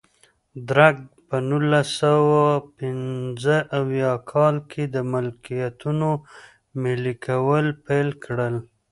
درګ په نولس سوه پنځه اویا کال کې د ملکیتونو ملي کول پیل کړل.